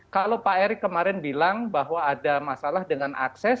kalau pak erick kemarin bilang bahwa ada masalah dengan akses